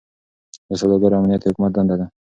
د سوداګرو امنیت د حکومت دنده ده.